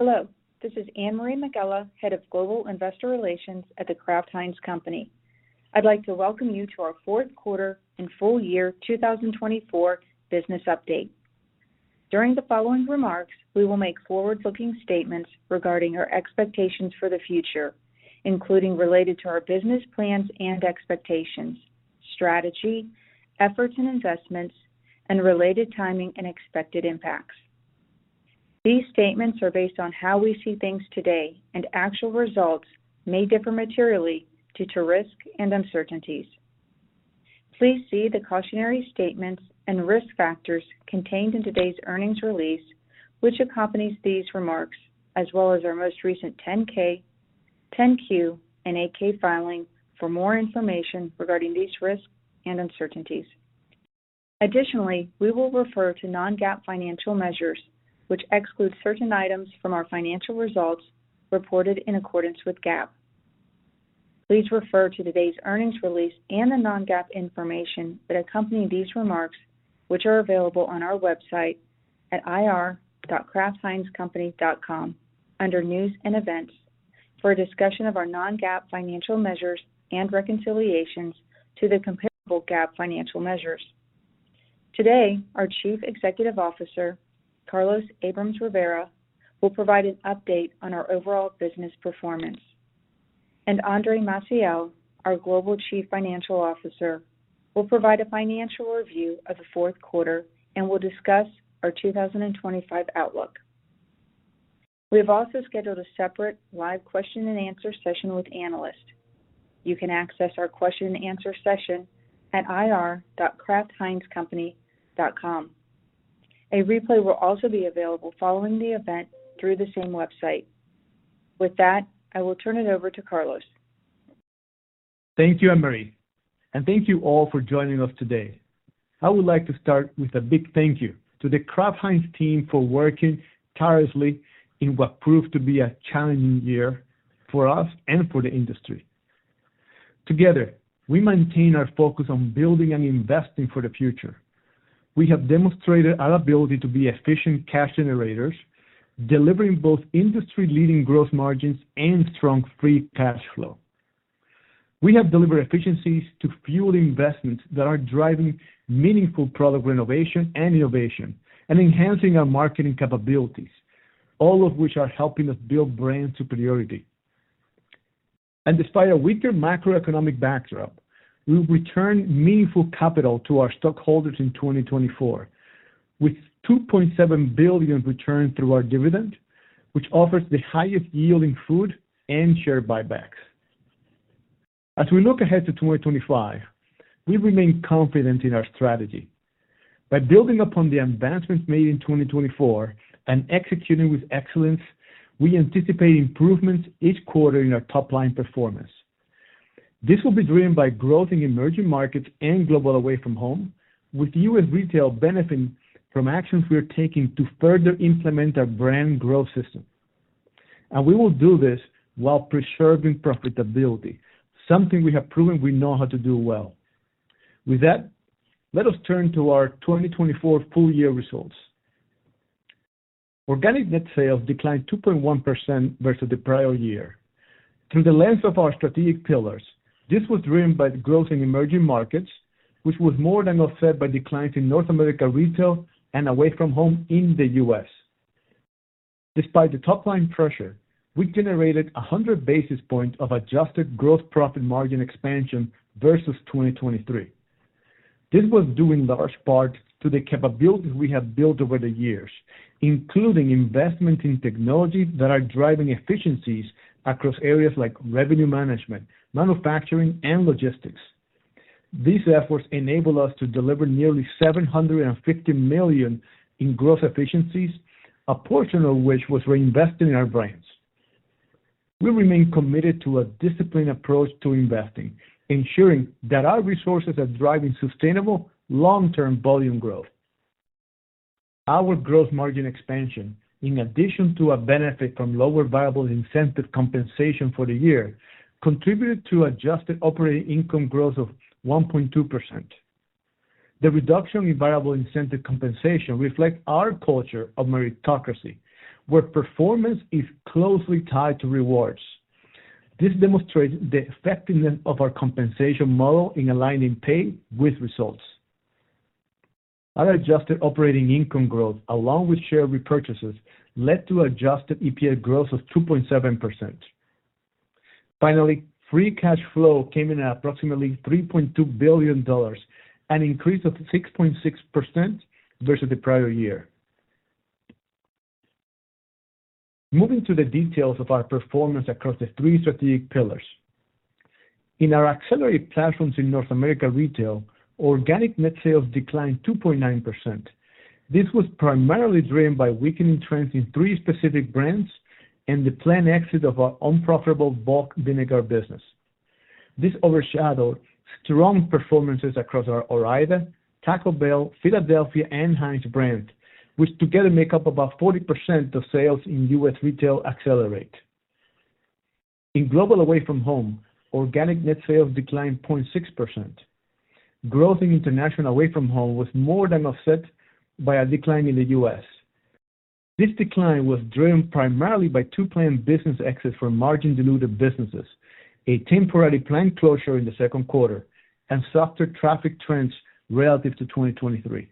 Hello. This is Anne-Marie Megela, Head of Global Investor Relations at The Kraft Heinz Company. I'd like to welcome you to our fourth quarter and full year 2024 business update. During the following remarks, we will make forward-looking statements regarding our expectations for the future, including related to our business plans and expectations, strategy, efforts and investments, and related timing and expected impacts. These statements are based on how we see things today, and actual results may differ materially due to risk and uncertainties. Please see the cautionary statements and risk factors contained in today's earnings release, which accompanies these remarks, as well as our most recent 10-K, 10-Q, and 8-K filing for more information regarding these risks and uncertainties. Additionally, we will refer to non-GAAP financial measures, which exclude certain items from our financial results reported in accordance with GAAP. Please refer to today's earnings release and the non-GAAP information that accompany these remarks, which are available on our website at ir.kraftheinzcompany.com under News and Events for a discussion of our non-GAAP financial measures and reconciliations to the comparable GAAP financial measures. Today, our Chief Executive Officer, Carlos Abrams-Rivera, will provide an update on our overall business performance, and Andre Maciel, our Global Chief Financial Officer, will provide a financial review of the fourth quarter and will discuss our 2025 outlook. We have also scheduled a separate live question and answer session with analysts. You can access our question and answer session at ir.kraftheinzcompany.com. A replay will also be available following the event through the same website. With that, I will turn it over to Carlos. Thank you, Anne-Marie, and thank you all for joining us today. I would like to start with a big thank you to the Kraft Heinz team for working tirelessly in what proved to be a challenging year for us and for the industry. Together, we maintain our focus on building and investing for the future. We have demonstrated our ability to be efficient cash generators, delivering both industry-leading gross margins and strong free cash flow. We have delivered efficiencies to fuel investments that are driving meaningful product renovation and innovation and enhancing our marketing capabilities, all of which are helping us build brand superiority. And despite a weaker macroeconomic backdrop, we will return meaningful capital to our stockholders in 2024, with $2.7 billion returned through our dividend, which offers the highest yield in food and share buybacks. As we look ahead to 2025, we remain confident in our strategy. By building upon the advancements made in 2024 and executing with excellence, we anticipate improvements each quarter in our top-line performance. This will be driven by growth in emerging markets and Global Away From Home, with U.S. retail benefiting from actions we are taking to further implement our brand growth system and we will do this while preserving profitability, something we have proven we know how to do well. With that, let us turn to our 2024 full year results. Organic net sales declined 2.1% versus the prior year. Through the lens of our strategic pillars, this was driven by growth in Emerging Markets, which was more than offset by declines in North America Retail and away from home in the U.S. Despite the top-line pressure, we generated 100 basis points of adjusted gross profit margin expansion versus 2023. This was due in large part to the capabilities we have built over the years, including investments in technology that are driving efficiencies across areas like revenue management, manufacturing, and logistics. These efforts enabled us to deliver nearly $750 million in gross efficiencies, a portion of which was reinvested in our brands. We remain committed to a disciplined approach to investing, ensuring that our resources are driving sustainable, long-term volume growth. Our gross margin expansion, in addition to a benefit from lower variable incentive compensation for the year, contributed to adjusted operating income growth of 1.2%. The reduction in variable incentive compensation reflects our culture of meritocracy, where performance is closely tied to rewards. This demonstrates the effectiveness of our compensation model in aligning pay with results. Our adjusted operating income growth, along with share repurchases, led to adjusted EPS growth of 2.7%. Finally, free cash flow came in at approximately $3.2 billion, an increase of 6.6% versus the prior year. Moving to the details of our performance across the three strategic pillars. In our accelerated platforms in North America retail, organic net sales declined 2.9%. This was primarily driven by weakening trends in three specific brands and the planned exit of our unprofitable bulk vinegar business. This overshadowed strong performances across our Ore-Ida, Taco Bell, Philadelphia, and Heinz brands, which together make up about 40% of sales in U.S. retail accelerator. In global away from home, organic net sales declined 0.6%. Growth in international away from home was more than offset by a decline in the U.S. This decline was driven primarily by two planned business exits for margin-dilutive businesses, a temporary plant closure in the second quarter, and softer traffic trends relative to 2023.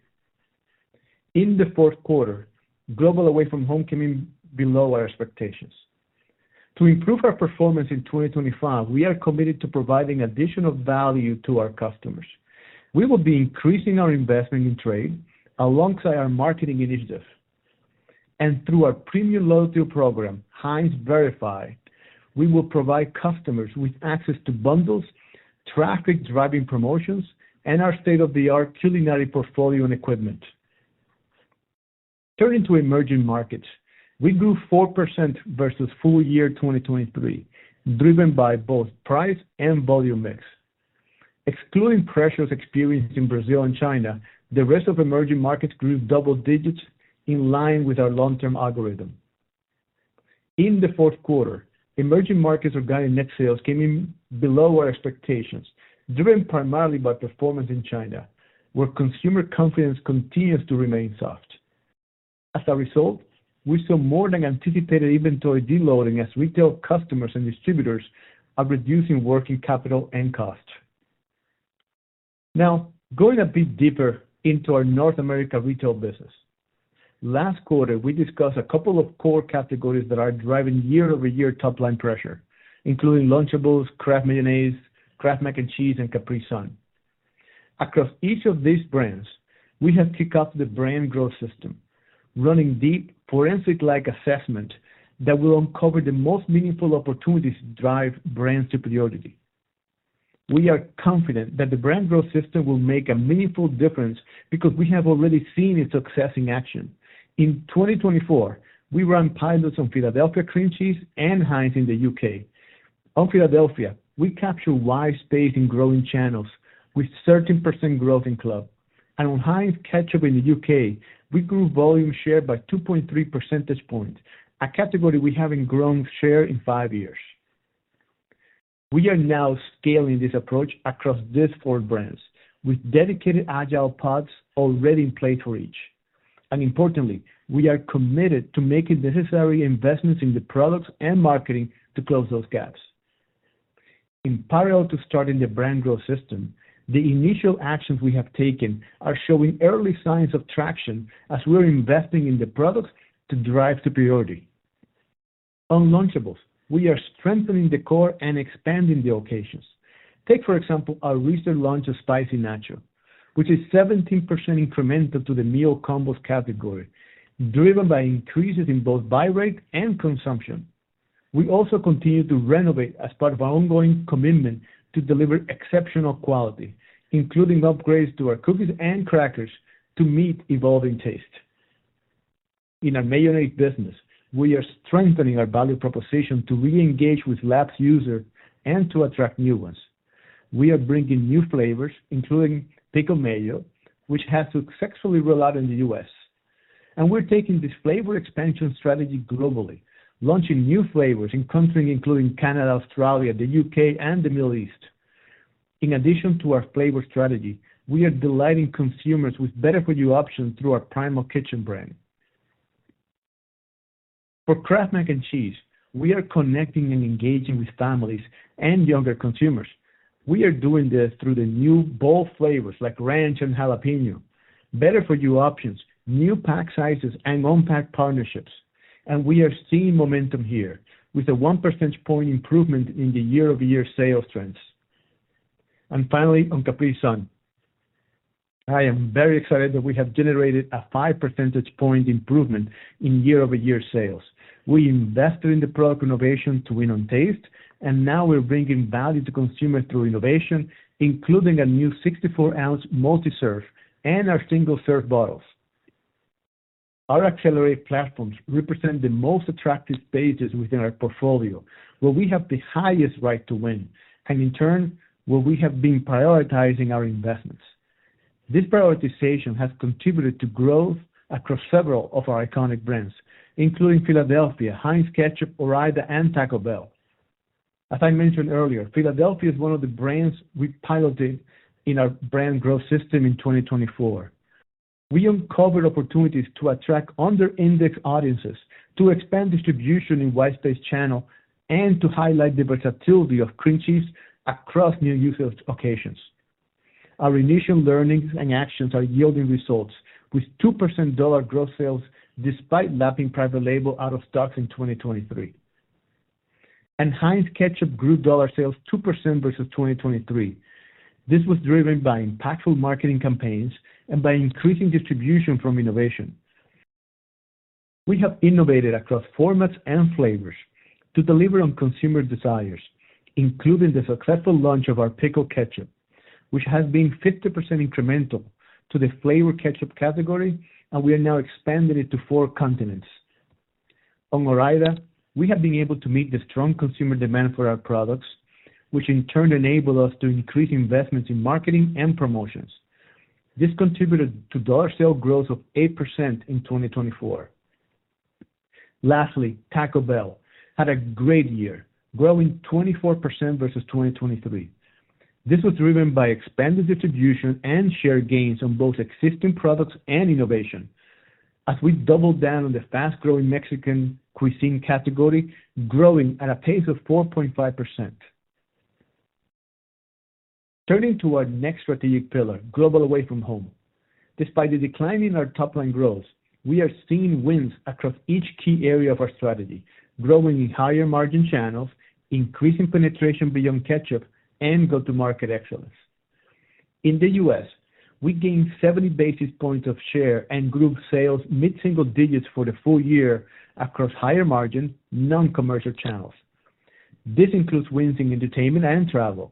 In the fourth quarter, global away from home came in below our expectations. To improve our performance in 2025, we are committed to providing additional value to our customers. We will be increasing our investment in trade alongside our marketing initiative. And through our premium loyalty program, Heinz Verified, we will provide customers with access to bundles, traffic-driving promotions, and our state-of-the-art culinary portfolio and equipment. Turning to emerging markets, we grew 4% versus full year 2023, driven by both price and volume mix. Excluding pressures experienced in Brazil and China, the rest of emerging markets grew double digits in line with our long-term algorithm. In the fourth quarter, emerging markets' organic net sales came in below our expectations, driven primarily by performance in China, where consumer confidence continues to remain soft. As a result, we saw more than anticipated inventory de-loading as retail customers and distributors are reducing working capital and cost. Now, going a bit deeper into our North America retail business. Last quarter, we discussed a couple of core categories that are driving year-over-year top-line pressure, including Lunchables, Kraft Mayonnaise, Kraft Mac & Cheese, and Capri Sun. Across each of these brands, we have kicked off the Brand Growth System, running deep forensic-like assessment that will uncover the most meaningful opportunities to drive brand superiority. We are confident that the Brand Growth System will make a meaningful difference because we have already seen its success in action. In 2024, we ran pilots on Philadelphia cream cheese and Heinz in the U.K. On Philadelphia, we captured white space in growing channels with 13% growth in club. On Heinz Ketchup in the U.K., we grew volume share by 2.3 percentage points, a category we haven't grown share in five years. We are now scaling this approach across these four brands with dedicated agile pods already in place for each. And importantly, we are committed to making necessary investments in the products and marketing to close those gaps. In parallel to starting the Brand Growth System, the initial actions we have taken are showing early signs of traction as we're investing in the products to drive superiority. On Lunchables, we are strengthening the core and expanding the locations. Take, for example, our recent launch of Spicy Nacho, which is a 17% incremental to the meal combos category, driven by increases in both buy rate and consumption. We also continue to renovate as part of our ongoing commitment to deliver exceptional quality, including upgrades to our cookies and crackers to meet evolving tastes. In our mayonnaise business, we are strengthening our value proposition to re-engage with loyal users and to attract new ones. We are bringing new flavors, including Pickle Mayo, which has successfully rolled out in the U.S., and we're taking this flavor expansion strategy globally, launching new flavors in countries including Canada, Australia, the U.K., and the Middle East. In addition to our flavor strategy, we are delighting consumers with better-for-you options through our Primal Kitchen brand. For Kraft Mac & Cheese, we are connecting and engaging with families and younger consumers. We are doing this through the new bold flavors like ranch and jalapeño, better-for-you options, new pack sizes, and unique partnerships. And we are seeing momentum here with a one percentage point improvement in the year-over-year sales trends. And finally, on Capri Sun, I am very excited that we have generated a five percentage point improvement in year-over-year sales. We invested in the product innovation to win on taste, and now we're bringing value to consumers through innovation, including a new 64-ounce multi-serve and our single-serve bottles. Our accelerated platforms represent the most attractive spaces within our portfolio, where we have the highest right to win, and in turn, where we have been prioritizing our investments. This prioritization has contributed to growth across several of our iconic brands, including Philadelphia, Heinz Ketchup, Ore-Ida, and Taco Bell. As I mentioned earlier, Philadelphia is one of the brands we piloted in our Brand Growth System in 2024. We uncovered opportunities to attract under-indexed audiences, to expand distribution in white space channels, and to highlight the versatility of cream cheese across new usage occasions. Our initial learnings and actions are yielding results with 2% dollar sales growth despite lapping private label out-of-stocks in 2023, and Heinz Ketchup grew dollar sales 2% versus 2023. This was driven by impactful marketing campaigns and by increasing distribution from innovation. We have innovated across formats and flavors to deliver on consumer desires, including the successful launch of our Pickle Ketchup, which has been a 50% incremental to the flavor ketchup category, and we are now expanding it to four continents. On Ore-Ida, we have been able to meet the strong consumer demand for our products, which in turn enabled us to increase investments in marketing and promotions. This contributed to dollar sales growth of 8% in 2024. Lastly, Taco Bell had a great year, growing 24% versus 2023. This was driven by expanded distribution and share gains on both existing products and innovation, as we doubled down on the fast-growing Mexican cuisine category, growing at a pace of 4.5%. Turning to our next strategic pillar, global away from home. Despite the decline in our top-line growth, we are seeing wins across each key area of our strategy, growing in higher margin channels, increasing penetration beyond ketchup, and go-to-market excellence. In the U.S., we gained 70 basis points of share and grew sales mid-single digits for the full year across higher margin non-commercial channels. This includes wins in entertainment and travel.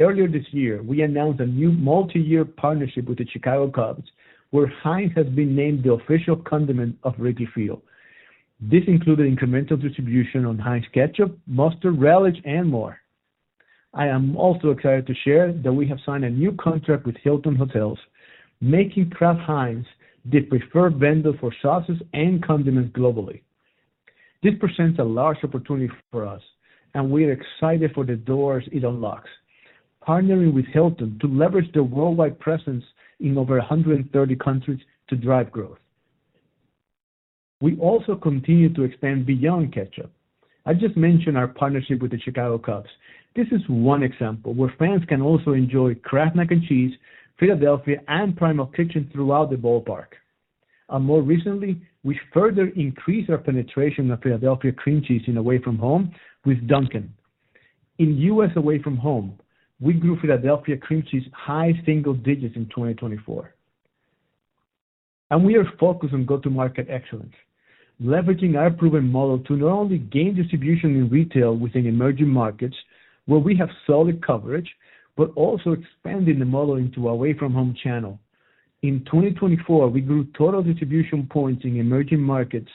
Earlier this year, we announced a new multi-year partnership with the Chicago Cubs, where Heinz has been named the official condiment of Wrigley Field. This included incremental distribution on Heinz Ketchup, Mustard, Relish, and more. I am also excited to share that we have signed a new contract with Hilton Hotels, making Kraft Heinz the preferred vendor for sauces and condiments globally. This presents a large opportunity for us, and we are excited for the doors it unlocks, partnering with Hilton to leverage their worldwide presence in over 130 countries to drive growth. We also continue to expand beyond ketchup. I just mentioned our partnership with the Chicago Cubs. This is one example where fans can also enjoy Kraft Mac & Cheese, Philadelphia, and Primal Kitchen throughout the ballpark. And more recently, we further increased our penetration of Philadelphia cream cheese in away from home with Dunkin'. In U.S. away from home, we grew Philadelphia cream cheese high single digits in 2024. And we are focused on go-to-market excellence, leveraging our proven model to not only gain distribution in retail within emerging markets where we have solid coverage, but also expanding the model into away from home channel. In 2024, we grew total distribution points in emerging markets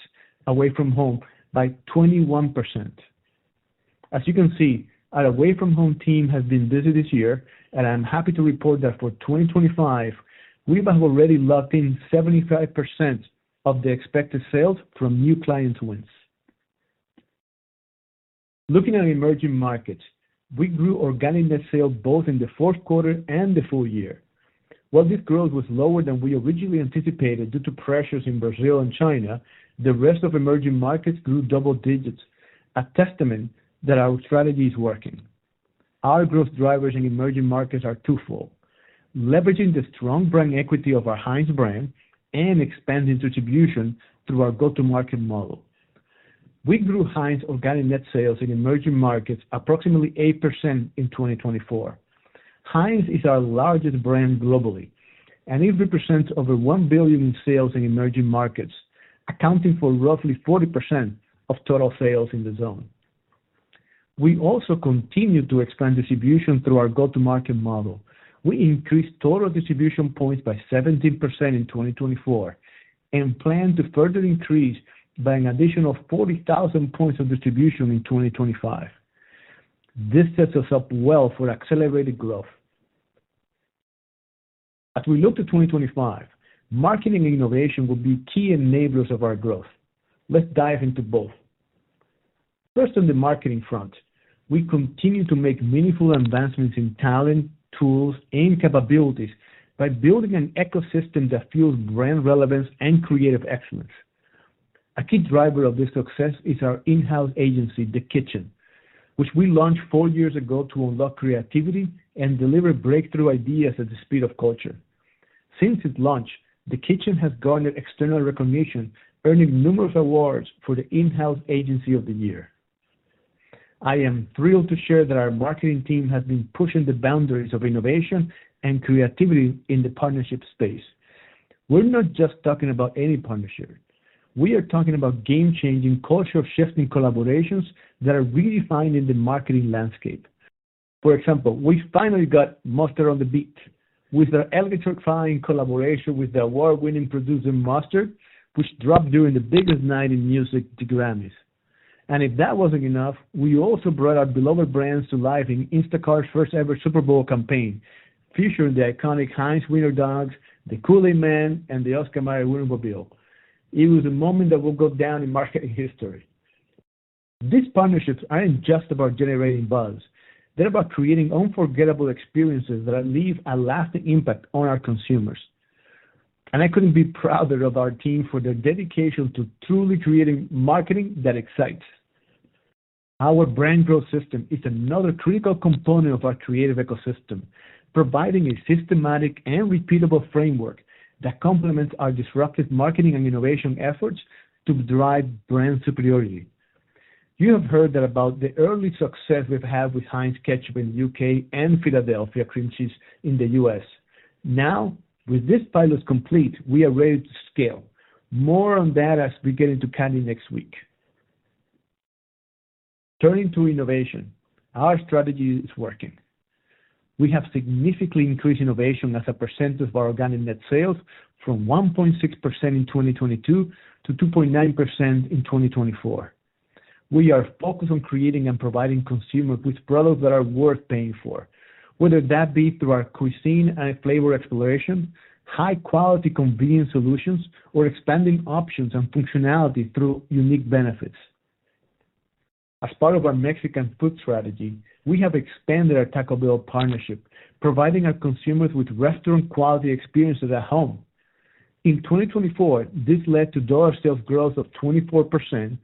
away from home by 21%. As you can see, our away from home team has been busy this year, and I'm happy to report that for 2025, we have already locked in 75% of the expected sales from new clients wins. Looking at emerging markets, we grew organic net sales both in the fourth quarter and the full year. While this growth was lower than we originally anticipated due to pressures in Brazil and China, the rest of emerging markets grew double digits, a testament that our strategy is working. Our growth drivers in emerging markets are twofold: leveraging the strong brand equity of our Heinz brand and expanding distribution through our go-to-market model. We grew Heinz organic net sales in emerging markets approximately 8% in 2024. Heinz is our largest brand globally, and it represents over $1 billion in sales in emerging markets, accounting for roughly 40% of total sales in the zone. We also continue to expand distribution through our go-to-market model. We increased total distribution points by 17% in 2024 and plan to further increase by an additional 40,000 points of distribution in 2025. This sets us up well for accelerated growth. As we look to 2025, marketing and innovation will be key enablers of our growth. Let's dive into both. First, on the marketing front, we continue to make meaningful advancements in talent, tools, and capabilities by building an ecosystem that fuels brand relevance and creative excellence. A key driver of this success is our in-house agency, The Kitchen, which we launched four years ago to unlock creativity and deliver breakthrough ideas at the speed of culture. Since its launch, The Kitchen has garnered external recognition, earning numerous awards for the in-house agency of the year. I am thrilled to share that our marketing team has been pushing the boundaries of innovation and creativity in the partnership space. We're not just talking about any partnership. We are talking about game-changing, culture-shifting collaborations that are redefining the marketing landscape. For example, we finally got Mustard on the Beat with their electrfying collaboration with the award-winning producer Mustard, which dropped during the biggest night in music, the Grammys. And if that wasn't enough, we also brought our beloved brands to life in Instacart's first-ever Super Bowl campaign, featuring the iconic Heinz Wiener Dogs, the Kool-Aid Man, and the Oscar Mayer Wienermobile. It was a moment that will go down in marketing history. These partnerships aren't just about generating buzz. They're about creating unforgettable experiences that leave a lasting impact on our consumers. And I couldn't be prouder of our team for their dedication to truly creating marketing that excites. Our Brand Growth System is another critical component of our creative ecosystem, providing a systematic and repeatable framework that complements our disruptive marketing and innovation efforts to drive brand superiority. You have heard that about the early success we've had with Heinz Ketchup in the U.K. and Philadelphia cream cheese in the U.S. Now, with this pilot complete, we are ready to scale. More on that as we get into candy next week. Turning to innovation, our strategy is working. We have significantly increased innovation as a percentage of our organic net sales from 1.6% in 2022 to 2.9% in 2024. We are focused on creating and providing consumers with products that are worth paying for, whether that be through our cuisine and flavor exploration, high-quality convenience solutions, or expanding options and functionality through unique benefits. As part of our Mexican food strategy, we have expanded our Taco Bell partnership, providing our consumers with restaurant-quality experiences at home. In 2024, this led to dollar sales growth of 24%,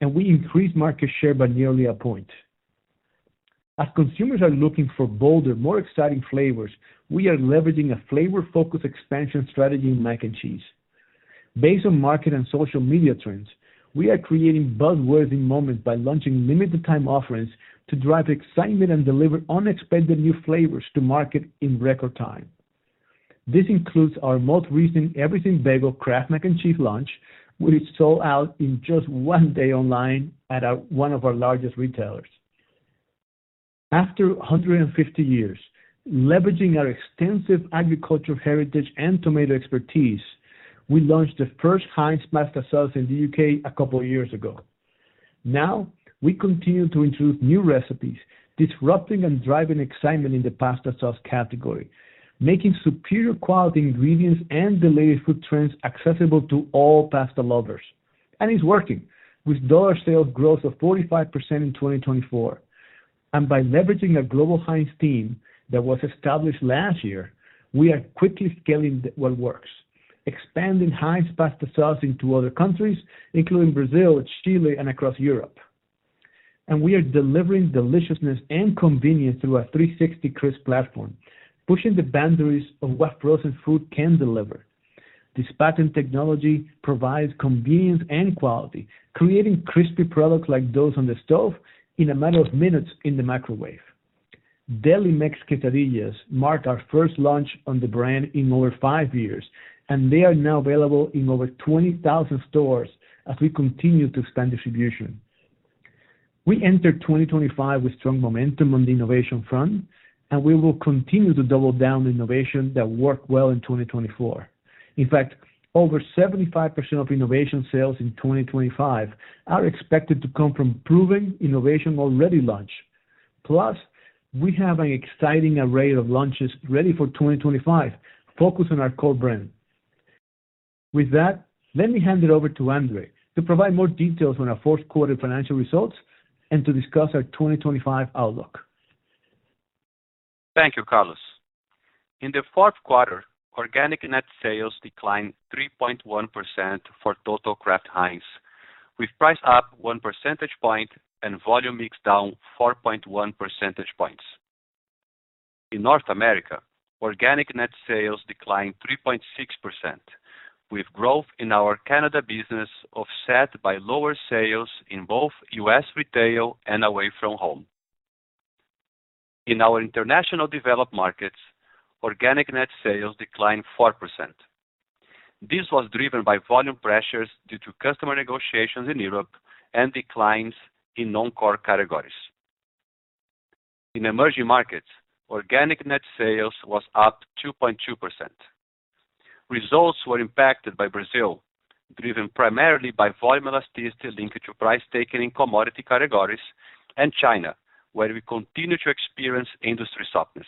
and we increased market share by nearly a point. As consumers are looking for bolder, more exciting flavors, we are leveraging a flavor-focused expansion strategy in mac and cheese. Based on market and social media trends, we are creating buzzworthy moments by launching limited-time offerings to drive excitement and deliver unexpected new flavors to market in record time. This includes our most recent Everything Bagel Kraft Mac & Cheese launch, which sold out in just one day online at one of our largest retailers. After 150 years, leveraging our extensive agricultural heritage and tomato expertise, we launched the first Heinz pasta sauce in the U.K. a couple of years ago. Now, we continue to introduce new recipes, disrupting and driving excitement in the pasta sauce category, making superior quality ingredients and elevated food trends accessible to all pasta lovers, and it's working with dollar sales growth of 45% in 2024. By leveraging a global Heinz team that was established last year, we are quickly scaling what works, expanding Heinz pasta sauce into other countries, including Brazil, Chile, and across Europe. We are delivering deliciousness and convenience through a 360 Crisp platform, pushing the boundaries of what frozen food can deliver. This patented technology provides convenience and quality, creating crispy products like those on the stove in a matter of minutes in the microwave. Delimex Quesadillas marked our first launch on the brand in over five years, and they are now available in over 20,000 stores as we continue to expand distribution. We entered 2025 with strong momentum on the innovation front, and we will continue to double down on innovation that worked well in 2024. In fact, over 75% of innovation sales in 2025 are expected to come from proven innovation already launched. Plus, we have an exciting array of launches ready for 2025, focused on our core brand. With that, let me hand it over to Andre to provide more details on our fourth quarter financial results and to discuss our 2025 outlook. Thank you, Carlos. In the fourth quarter, organic net sales declined 3.1% for total Kraft Heinz, with price up 1 percentage point and volume mix down 4.1 percentage points. In North America, organic net sales declined 3.6%, with growth in our Canada business offset by lower sales in both U.S. retail and away from home. In our International Developed Markets, organic net sales declined 4%. This was driven by volume pressures due to customer negotiations in Europe and declines in non-core categories. In emerging markets, organic net sales was up 2.2%. Results were impacted by Brazil, driven primarily by volume elasticity linked to price-taking in commodity categories, and China, where we continue to experience industry softness.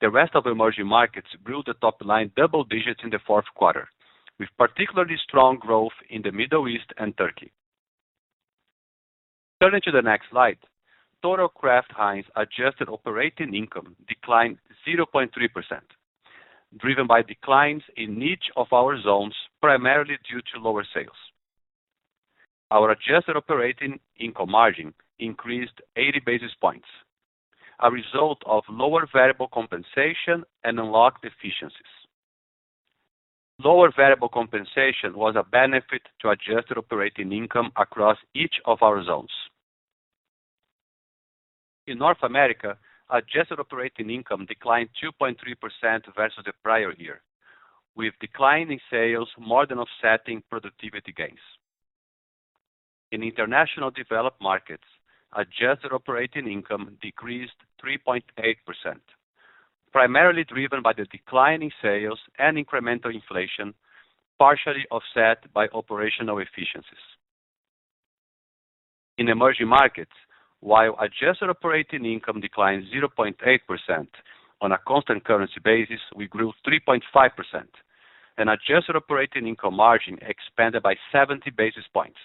The rest of emerging markets grew the top-line double digits in the fourth quarter, with particularly strong growth in the Middle East and Turkey. Turning to the next slide, total Kraft Heinz adjusted operating income declined 0.3%, driven by declines in each of our zones, primarily due to lower sales. Our adjusted operating income margin increased 80 basis points, a result of lower variable compensation and unlocked efficiencies. Lower variable compensation was a benefit to adjusted operating income across each of our zones. In North America, adjusted operating income declined 2.3% versus the prior year, with declining sales more than offsetting productivity gains. In international developed markets, adjusted operating income decreased 3.8%, primarily driven by the declining sales and incremental inflation, partially offset by operational efficiencies. In emerging markets, while adjusted operating income declined 0.8% on a constant currency basis, we grew 3.5%, and adjusted operating income margin expanded by 70 basis points.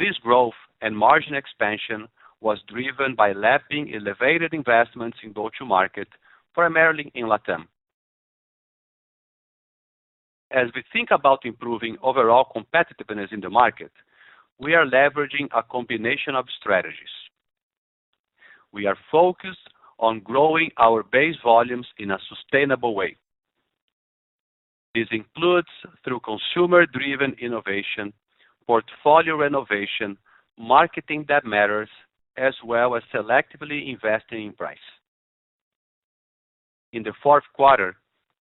This growth and margin expansion was driven by lapping elevated investments in go-to-market, primarily in Latin. As we think about improving overall competitiveness in the market, we are leveraging a combination of strategies. We are focused on growing our base volumes in a sustainable way. This includes through consumer-driven innovation, portfolio renovation, marketing that matters, as well as selectively investing in price. In the fourth quarter,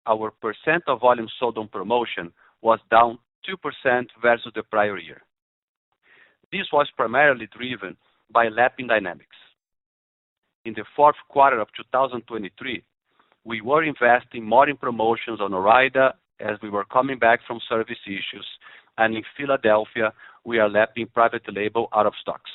our percent of volume sold on promotion was down 2% versus the prior year. This was primarily driven by lapping dynamics. In the fourth quarter of 2023, we were investing more in promotions on Ore-Ida as we were coming back from service issues, and in Philadelphia, we are lapping private label out-of-stocks.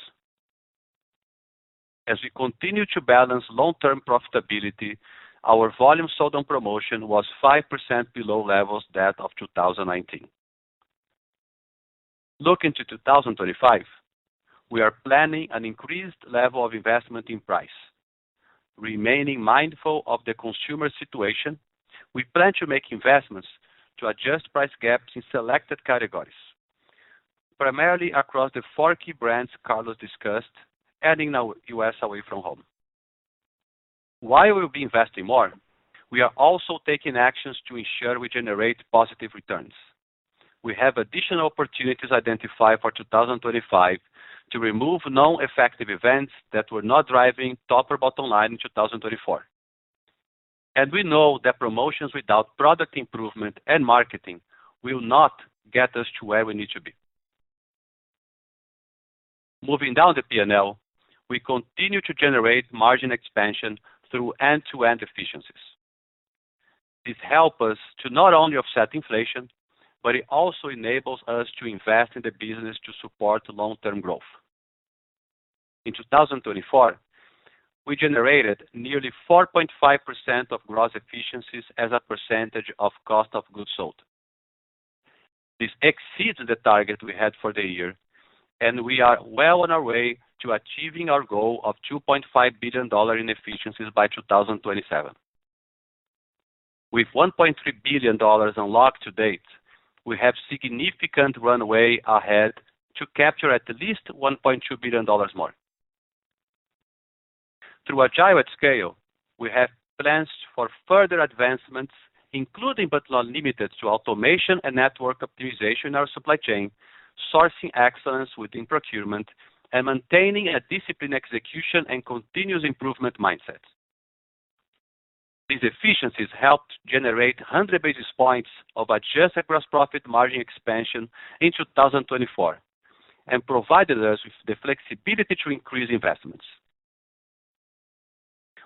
As we continue to balance long-term profitability, our volume sold on promotion was 5% below levels of 2019. Looking to 2025, we are planning an increased level of investment in pricing. Remaining mindful of the consumer situation, we plan to make investments to adjust price gaps in selected categories, primarily across the four key brands Carlos discussed, adding our U.S. away-from-home. While we'll be investing more, we are also taking actions to ensure we generate positive returns. We have additional opportunities identified for 2025 to remove non-effective events that were not driving top- or bottom-line in 2024. And we know that promotions without product improvement and marketing will not get us to where we need to be. Moving down the P&L, we continue to generate margin expansion through end-to-end efficiencies. This helps us to not only offset inflation, but it also enables us to invest in the business to support long-term growth. In 2024, we generated nearly 4.5% of gross efficiencies as a percentage of cost of goods sold. This exceeds the target we had for the year, and we are well on our way to achieving our goal of $2.5 billion in efficiencies by 2027. With $1.3 billion unlocked to date, we have significant runway ahead to capture at least $1.2 billion more. Through Agile at Scale, we have plans for further advancements, including but not limited to automation and network optimization in our supply chain, sourcing excellence within procurement, and maintaining a disciplined execution and continuous improvement mindset. These efficiencies helped generate 100 basis points of Adjusted Gross Profit Margin expansion in 2024 and provided us with the flexibility to increase investments.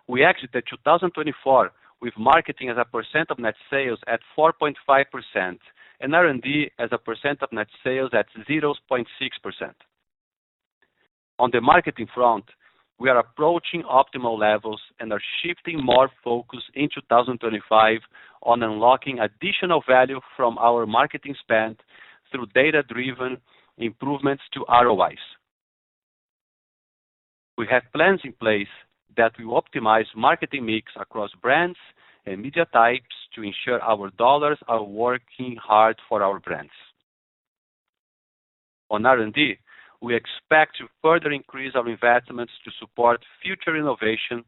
We exited 2024 with marketing as a % of net sales at 4.5% and R&D as a % of net sales at 0.6%. On the marketing front, we are approaching optimal levels and are shifting more focus in 2025 on unlocking additional value from our marketing spend through data-driven improvements to ROIs. We have plans in place that will optimize marketing mix across brands and media types to ensure our dollars are working hard for our brands. On R&D, we expect to further increase our investments to support future innovation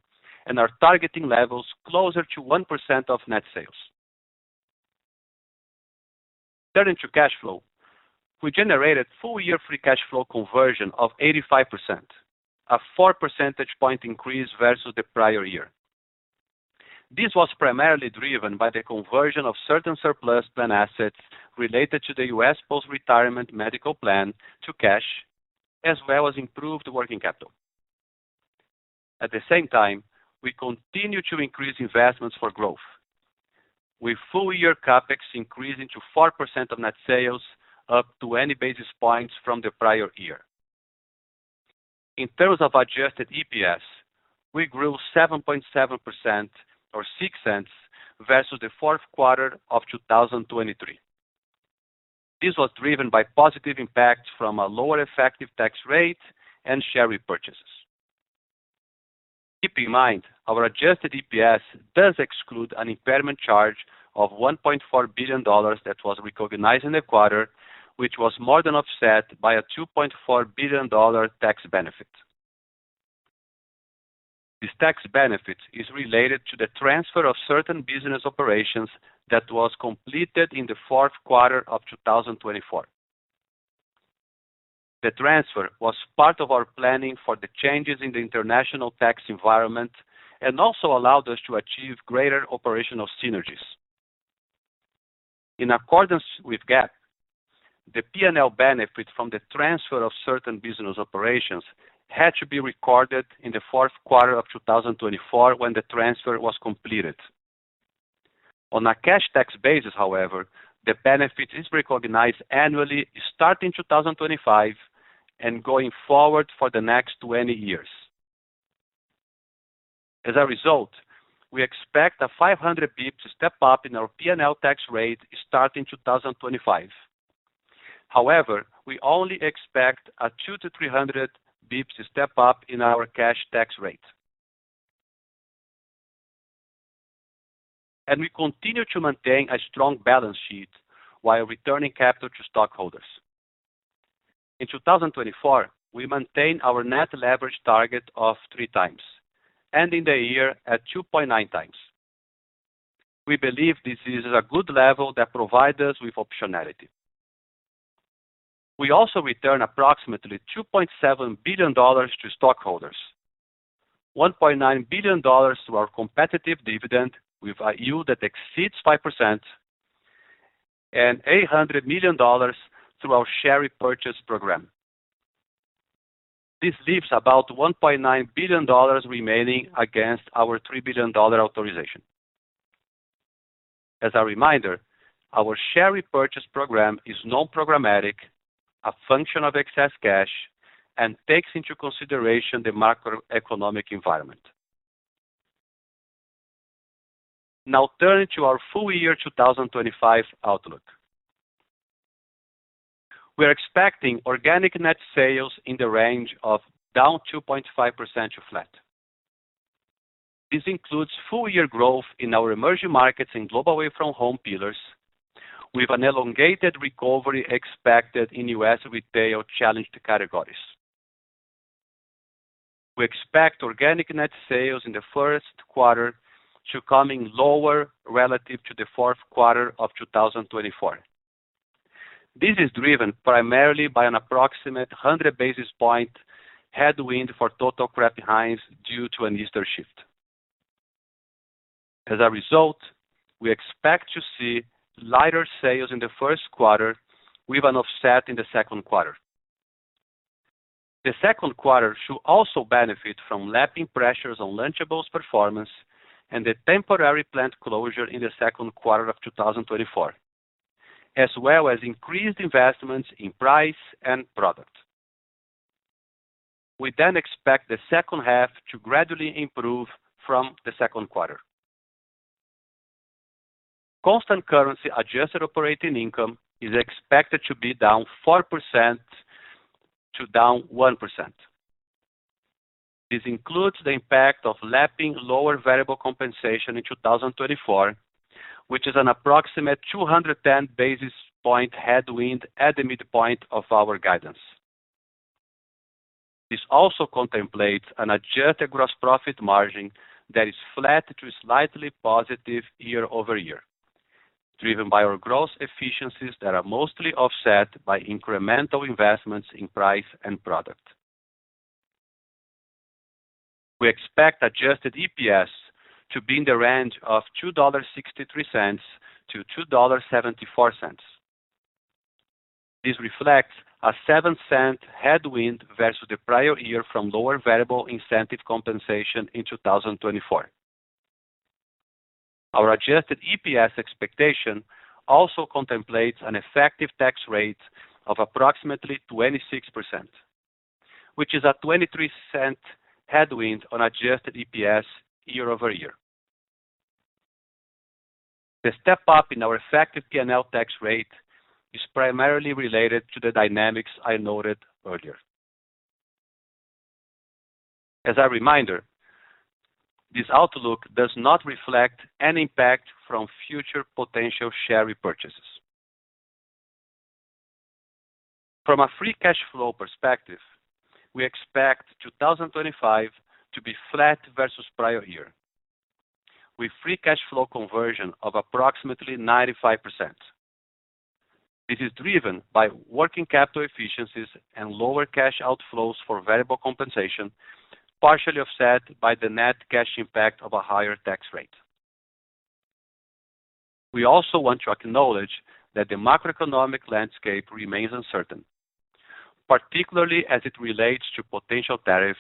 and are targeting levels closer to 1% of net sales. Turning to cash flow, we generated full-year free cash flow conversion of 85%, a 4 percentage point increase versus the prior year. This was primarily driven by the conversion of certain surplus plan assets related to the U.S. post-retirement medical plan to cash, as well as improved working capital. At the same time, we continue to increase investments for growth, with full-year CapEx increasing to 4% of net sales up to 20 basis points from the prior year. In terms of adjusted EPS, we grew 7.7% or $0.06 versus the fourth quarter of 2023. This was driven by positive impacts from a lower effective tax rate and share repurchases. Keep in mind, our adjusted EPS does exclude an impairment charge of $1.4 billion that was recognized in the quarter, which was more than offset by a $2.4 billion tax benefit. This tax benefit is related to the transfer of certain business operations that was completed in the fourth quarter of 2024. The transfer was part of our planning for the changes in the international tax environment and also allowed us to achieve greater operational synergies. In accordance with GAAP, the P&L benefit from the transfer of certain business operations had to be recorded in the fourth quarter of 2024 when the transfer was completed. On a cash tax basis, however, the benefit is recognized annually starting 2025 and going forward for the next 20 years. As a result, we expect a 500 basis points step-up in our P&L tax rate starting 2025. However, we only expect a 200 to 300 basis points step-up in our cash tax rate, and we continue to maintain a strong balance sheet while returning capital to stockholders. In 2024, we maintain our net leverage target of three times, ending the year at 2.9 times. We believe this is a good level that provides us with optionality. We also return approximately $2.7 billion to stockholders, $1.9 billion through our competitive dividend with a yield that exceeds 5%, and $800 million through our share repurchase program. This leaves about $1.9 billion remaining against our $3 billion authorization. As a reminder, our share repurchase program is non-programmatic, a function of excess cash, and takes into consideration the macroeconomic environment. Now, turning to our full-year 2025 outlook, we are expecting organic net sales in the range of down 2.5% to flat. This includes full-year growth in our emerging markets and global away from home pillars, with an elongated recovery expected in U.S. retail challenged categories. We expect organic net sales in the first quarter to come in lower relative to the fourth quarter of 2024. This is driven primarily by an approximate 100 basis points headwind for total Kraft Heinz due to an Easter shift. As a result, we expect to see lighter sales in the first quarter, with an offset in the second quarter. The second quarter should also benefit from lapping pressures on Lunchables' performance and the temporary plant closure in the second quarter of 2024, as well as increased investments in price and product. We then expect the second half to gradually improve from the second quarter. Constant currency adjusted operating income is expected to be down 4% to down 1%. This includes the impact of lapping lower variable compensation in 2024, which is an approximate 210 basis point headwind at the midpoint of our guidance. This also contemplates an adjusted gross profit margin that is flat to slightly positive year over year, driven by our gross efficiencies that are mostly offset by incremental investments in price and product. We expect adjusted EPS to be in the range of $2.63 to $2.74. This reflects a 7% headwind versus the prior year from lower variable incentive compensation in 2024. Our adjusted EPS expectation also contemplates an effective tax rate of approximately 26%, which is a 23% headwind on adjusted EPS year over year. The step-up in our effective P&L tax rate is primarily related to the dynamics I noted earlier. As a reminder, this outlook does not reflect any impact from future potential share repurchases. From a free cash flow perspective, we expect 2025 to be flat versus prior year, with free cash flow conversion of approximately 95%. This is driven by working capital efficiencies and lower cash outflows for variable compensation, partially offset by the net cash impact of a higher tax rate. We also want to acknowledge that the macroeconomic landscape remains uncertain, particularly as it relates to potential tariffs,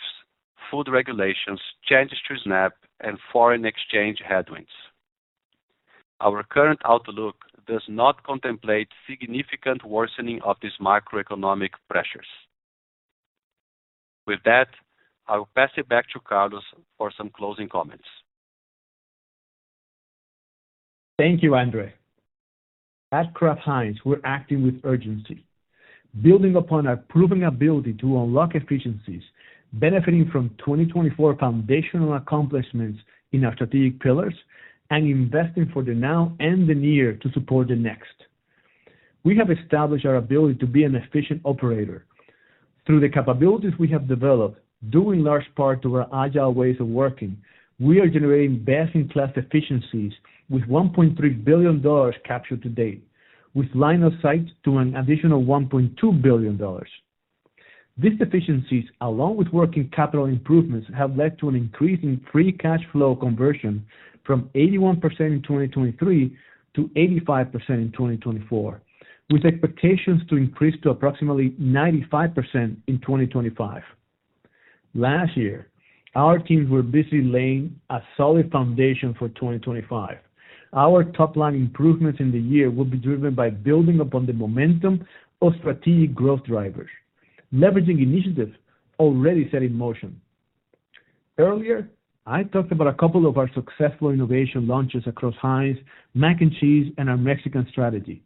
food regulations, changes to SNAP, and foreign exchange headwinds. Our current outlook does not contemplate significant worsening of these macroeconomic pressures. With that, I will pass it back to Carlos for some closing comments. Thank you, Andre. At Kraft Heinz, we're acting with urgency, building upon our proven ability to unlock efficiencies, benefiting from 2024 foundational accomplishments in our strategic pillars, and investing for the now and the near to support the next. We have established our ability to be an efficient operator. Through the capabilities we have developed, due in large part to our agile ways of working, we are generating best-in-class efficiencies with $1.3 billion captured to date, with line of sight to an additional $1.2 billion. These efficiencies, along with working capital improvements, have led to an increase in free cash flow conversion from 81% in 2023 to 85% in 2024, with expectations to increase to approximately 95% in 2025. Last year, our teams were busy laying a solid foundation for 2025. Our top-line improvements in the year will be driven by building upon the momentum of strategic growth drivers, leveraging initiatives already set in motion. Earlier, I talked about a couple of our successful innovation launches across Heinz, Mac & Cheese, and our Mexican strategy.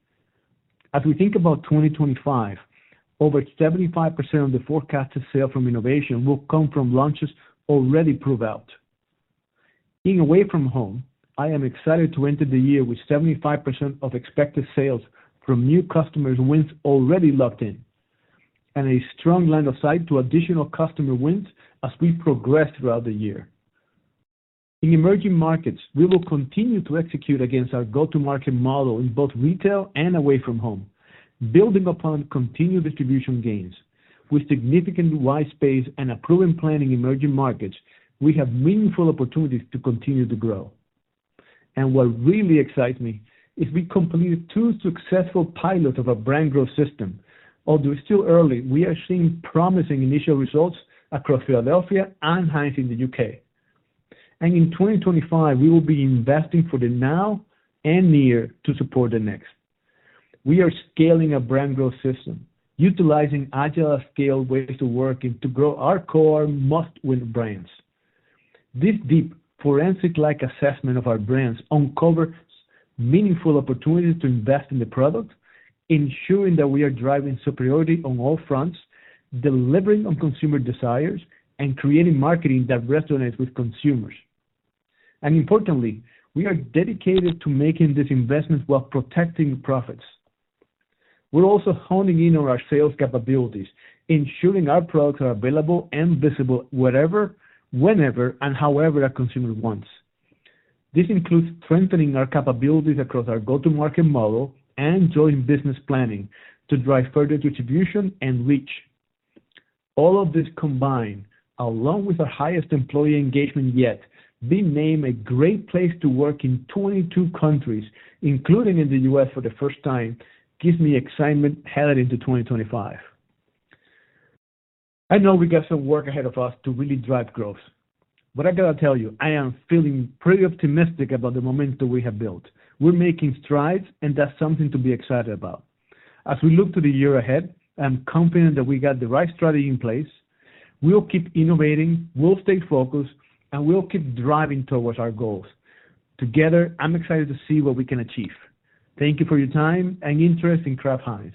As we think about 2025, over 75% of the forecasted sales from innovation will come from launches already proved out. In Away from Home, I am excited to enter the year with 75% of expected sales from new customers' wins already locked in, and a strong line of sight to additional customer wins as we progress throughout the year. In emerging markets, we will continue to execute against our go-to-market model in both retail and Away from Home, building upon continued distribution gains. With significant white space and opportunity plan in emerging markets, we have meaningful opportunities to continue to grow. And what really excites me is we completed two successful pilots of our brand growth system. Although still early, we are seeing promising initial results across Philadelphia and Heinz in the U.K. And in 2025, we will be investing for the now and near to support the next. We are scaling our brand growth system, utilizing agile at scale ways to work and to grow our core must-win brands. This deep forensic-like assessment of our brands uncovers meaningful opportunities to invest in the product, ensuring that we are driving superiority on all fronts, delivering on consumer desires, and creating marketing that resonates with consumers, and importantly, we are dedicated to making these investments while protecting profits. We're also honing in on our sales capabilities, ensuring our products are available and visible wherever, whenever, and however a consumer wants. This includes strengthening our capabilities across our go-to-market model and joint business planning to drive further distribution and reach. All of this combined, along with our highest employee engagement yet, being named a great place to work in 22 countries, including in the U.S. for the first time, gives me excitement headed into 2025. I know we've got some work ahead of us to really drive growth. But I got to tell you, I am feeling pretty optimistic about the momentum we have built. We're making strides, and that's something to be excited about. As we look to the year ahead, I'm confident that we got the right strategy in place. We'll keep innovating, we'll stay focused, and we'll keep driving towards our goals. Together, I'm excited to see what we can achieve. Thank you for your time and interest in Kraft Heinz.